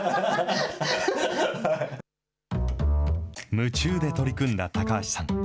夢中で取り組んだ高橋さん。